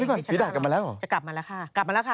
ไม่ไปก่อนศรีดาษกลับมาแล้วเหรอไม่ไปก่อนศรีดาษกลับมาแล้วเหรอ